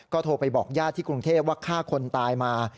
โทรไปบอกญาติที่กรุงเทพว่าฆ่าคนตายมา